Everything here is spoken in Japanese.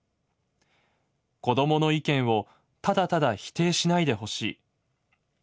子供の意見をただただ否定しないで欲しい。